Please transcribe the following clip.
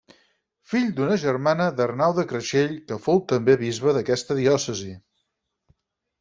Fill d'una germana d'Arnau de Creixell que fou també bisbe d'aquesta diòcesi.